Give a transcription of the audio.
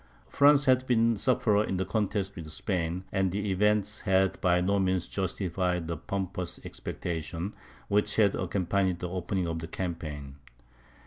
France had been the sufferer in the contest with Spain; and the event had by no means justified the pompous expectations which had accompanied the opening of the campaign.